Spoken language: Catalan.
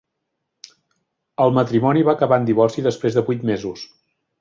El matrimoni va acabar en divorci després de vuit mesos.